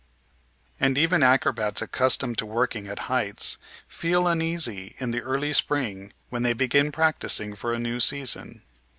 And even acrobats accustomed to working at heights feel uneasy in the early spring when they begin practising for a new season.